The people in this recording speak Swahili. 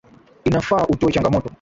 Inafaa utoe changamoto